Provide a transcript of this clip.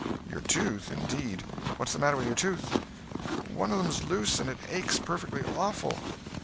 "Your tooth, indeed! What's the matter with your tooth?" "One of them's loose, and it aches perfectly awful."